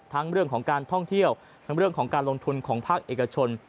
ทั้งเรื่องของการท่องเที่ยวทั้งเรื่องของการลงทุนของภาคเอกชน